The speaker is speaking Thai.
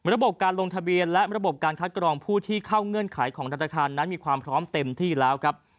ระบบการลงทะเบียนและระบบการคัดกรองผู้ที่เข้าเงื่อนไขของธนาคารนั้นมีความพร้อมเต็มที่แล้วครับ